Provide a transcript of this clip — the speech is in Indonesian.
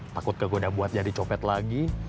takut kegoda buat jadi copet lagi